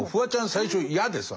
最初嫌でさ。